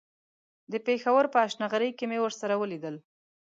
د پېښور په هشنغرۍ کې مې ورسره وليدل.